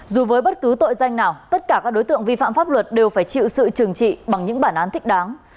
dù với bất cứ tội danh nào tất cả các đối tượng vi phạm pháp luật đều phải chịu sự trừng trị bằng những bản án thích đáng